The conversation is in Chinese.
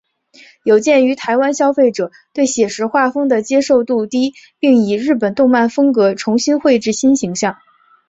有鉴于台湾消费者对写实画风的接受度低并以日本动漫风格重新绘制新形象。